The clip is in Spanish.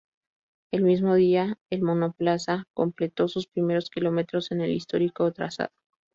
El mismo día, el monoplaza completó sus primeros kilómetros en el histórico trazado.